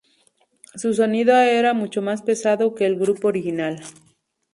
Su sonido era mucho más pesado que el grupo original.